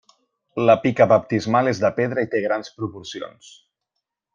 La pica baptismal és de pedra i té grans proporcions.